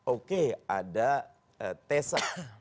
oke ada tesa